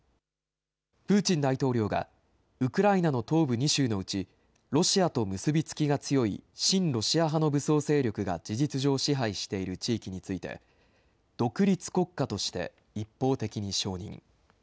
プーチン大統領がウクライナの東部２州のうちロシアと結び付きが強い親ロシア派の武装勢力が事実上、支配している地域について独立国家として一方的に承認。